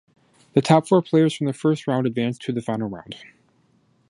The top four players from the first round advanced to the final round.